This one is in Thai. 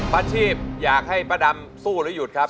อาชีพอยากให้ป้าดำสู้หรือหยุดครับ